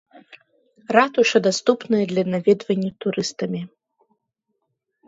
Ратуша даступная для наведвання турыстамі.